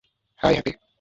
High, happy.